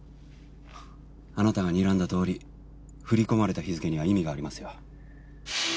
あなたがにらんだとおり振り込まれた日付には意味がありますよ。